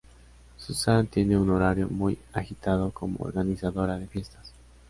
Suzanne tiene un horario muy agitado como organizadora de fiestas.